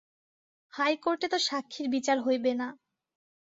হাইকোর্টে তো সাক্ষীর বিচার হইবে না।